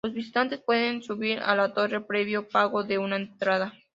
Los visitantes pueden subir a la torre previo pago de una entrada.